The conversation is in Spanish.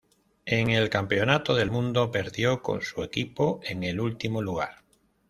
En el Campeonato del Mundo perdió con su equipo en el último lugar.